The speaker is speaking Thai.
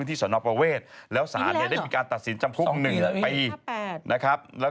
นี่น่างด่ายใหญ่ใช่มั้ยเถอะ